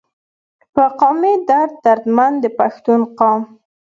پۀ قامي درد دردمند د پښتون قام